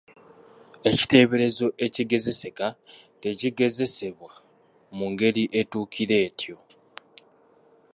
Ekiteeberezo ekigezeseka tekigezebwa mu ngeri etuukira etyo.